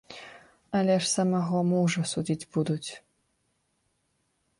Але ж самога мужа судзіць будуць.